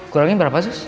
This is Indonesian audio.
kurangnya berapa sus